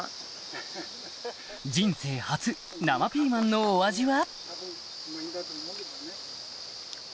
人生初生ピーマンのお味は？